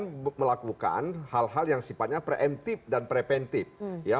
kemudian melakukan hal hal yang sifatnya pre emptive dan pre pentive